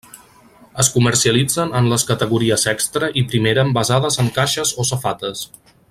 Es comercialitzen en les categories extra i primera envasades en caixes o safates.